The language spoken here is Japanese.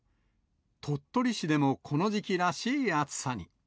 鳥取市でもこの時期らしい暑さに。